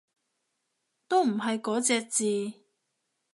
都唔係嗰隻字